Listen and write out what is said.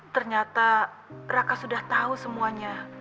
ternyata raka sudah tahu semuanya